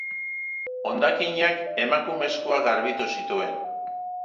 Hondakinak emakumezkoak garbitu zituen.